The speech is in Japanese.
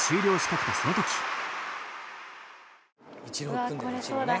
「イチロー来るんだよイチローね」